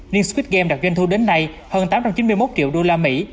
niên squid game đạt doanh thu đến nay hơn tám trăm chín mươi một triệu đô la mỹ